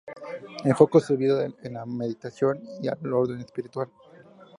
Enfocó su vida a la meditación y al orden espiritual.